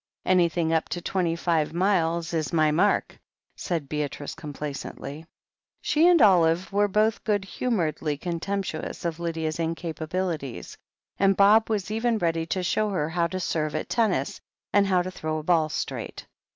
"Anything up to twenty five miles is my mark," said Beatrice complacently. She and Olive were both good htunouredly contemp tuous of Lydia's incapabilities, and Bob was even ready to show her how to serve at tennis, and how to throw a ball straight.